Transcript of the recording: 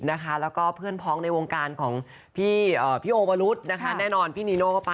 แล้วก็เพื่อนพร้อมในวงการของพี่โอบรุทพี่นิโนค่ะ